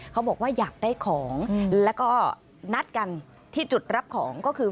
เขาบอกว่าอยากได้ของแล้วก็นัดกันที่จุดรับของก็คือ